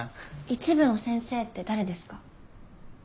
一部の先生って誰ですか？